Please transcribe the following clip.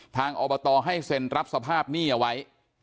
อบตให้เซ็นรับสภาพหนี้เอาไว้